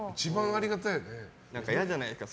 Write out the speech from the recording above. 何か嫌じゃないですか。